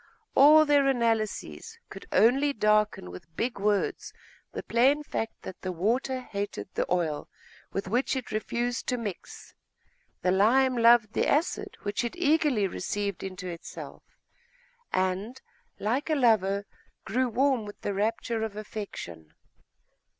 All their analyses could only darken with big words the plain fact that the water hated the oil with which it refused to mix, the lime loved the acid which it eagerly received into itself, and, like a lover, grew warm with the rapture of affection.